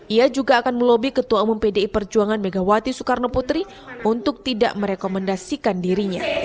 ia juga akan melobby ketua umum pdi perjuangan megawati soekarnoputri untuk tidak merekomendasikan dirinya